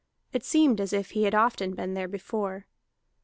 It seemed as if he had often been there before.